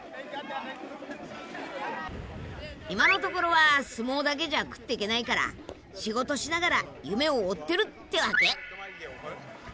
今のところは相撲だけじゃ食ってけないから仕事しながら夢を追ってるってわけ。